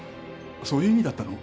そういう意味だったの？